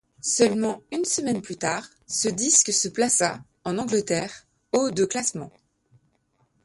Seulement une semaine plus tard, ce disque se plaça, en Angleterre, au de classements.